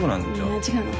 違うの。